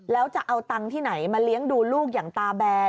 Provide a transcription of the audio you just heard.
แล้วจะเอาตังค์ที่ไหนมาเลี้ยงดูลูกอย่างตาแบน